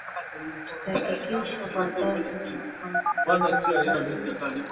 tutahakikisha kwa sasa kunakuwa na ulinzi mkali